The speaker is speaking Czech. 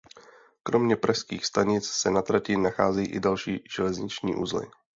Kromě pražských stanic se na trati nacházejí i další železniční uzly.